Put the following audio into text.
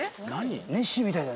ネッシーみたいだ。